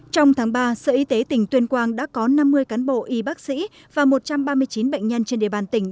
trong tháng ba sở y tế tỉnh tuyên quang đã có năm mươi cán bộ y bác sĩ và một trăm ba mươi chín bệnh nhân trên địa bàn tỉnh